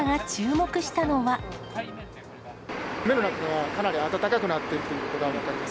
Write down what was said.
目の中がかなり暖かくなっているということが分かります。